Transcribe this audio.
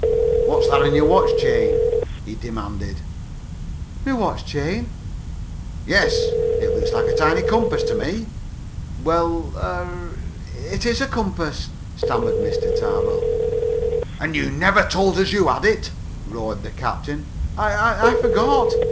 "What's that on your watch chain?" he demanded. "My watch chain?" "Yes. It looks like a tiny compass to me." "Why er it is a compass," stammered Mr. Tarbill. "And you never told us that you had it!" roared the captain. "I I forgot it!"